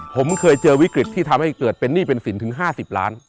ผมเคยเจอวิกฤตที่ทำให้เกิดเป็นหนี้เป็นสินถึง๕๐ล้าน